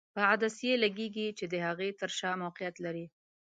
په عدسیې لګیږي چې د هغې تر شا موقعیت لري.